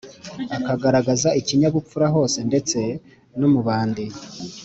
akagaragaza ikinyabupfura hose ndetse numubandi